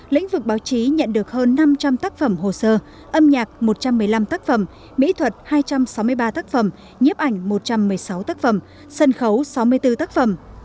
lĩnh vực báo chí nhận được hơn năm trăm linh tác phẩm hồ sơ âm nhạc một trăm một mươi năm tác phẩm mỹ thuật hai trăm sáu mươi ba tác phẩm nhiếp ảnh một trăm một mươi sáu tác phẩm sân khấu sáu mươi bốn tác phẩm